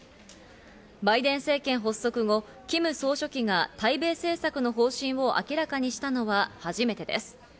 バイデン政権発足後、キム総書記が対米政策の方針を明らかにしたのは初めてです。